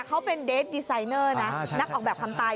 เขาเป็นเดสดีไซเนอร์นะนักออกแบบความตาย